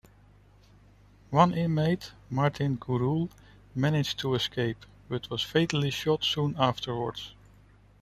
One inmate, Martin Gurule, managed to escape, but was fatally shot soon afterwards.